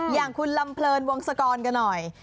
อย่างคุณลำเพลินวงศกรกันหน่อย